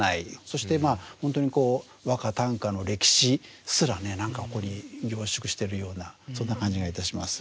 そして本当に和歌・短歌の歴史すらね何かここに凝縮しているようなそんな感じがいたします。